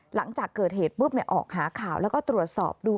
หลังจากเกิดเหตุปุ๊บออกหาข่าวแล้วก็ตรวจสอบดู